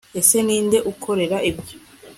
Ese Ninde ukorera ibyo